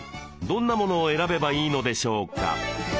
どんなものを選べばいいのでしょうか？